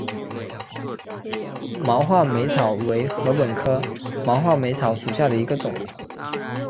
毛画眉草为禾本科画眉草属下的一个种。